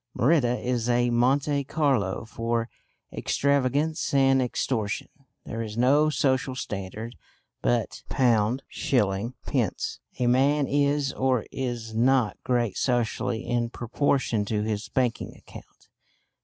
Merida is a Monte Carlo for extravagance and extortion. There is no social standard but £ s. d. A man is or is not great socially in proportion to his banking account.